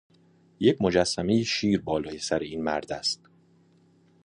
یک مجسمه شیر بالای سر این مرد است.